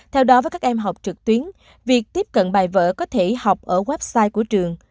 theo đó với các em học trực tuyến việc tiếp cận bài vở có thể học ở website của trường